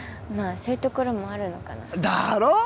そういうところもあるのかなだろ？